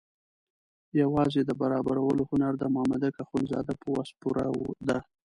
یوازې د برابرولو هنر د مامدک اخندزاده په وس پوره ده.